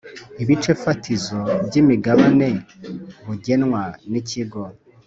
ibice fatizo by’imigabane bugenwa n’Ikigo